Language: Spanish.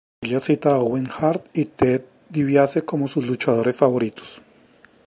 Ella cita a Owen Hart y Ted Dibiase como sus luchadores favoritos.